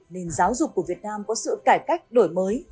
nền giáo dục của việt nam có sự cải cách đổi mới